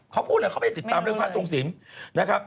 เขาพูดแล้วเขาไม่ได้ติดตามเรื่องพระทรงสิน